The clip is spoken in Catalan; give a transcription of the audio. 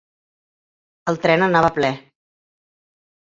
El tren anava ple.